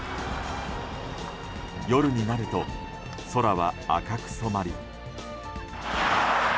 夜になると、空は赤く染まり。